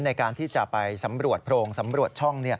ในการที่จะไปสำรวจโพรงสำรวจช่อง